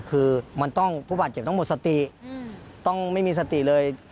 คือมันต้องผู้บาดเจ็บต้องหมดสติต้องไม่มีสติเลย